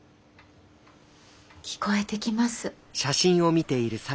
聞こえてきます。